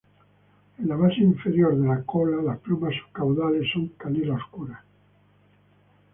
En la base inferior de la cola, las plumas subcaudales son canela oscuro.